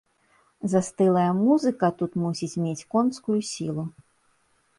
Застылая музыка тут мусіць мець конскую сілу.